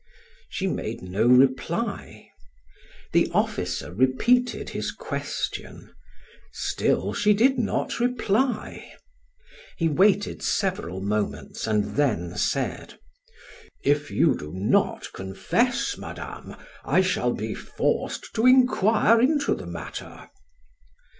She made no reply. The officer repeated his question; still she did not reply. He waited several moments and then said: "If you do not confess, Madame, I shall be forced to inquire into the matter."